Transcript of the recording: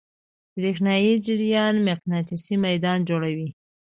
برېښنایی جریان مقناطیسي میدان جوړوي.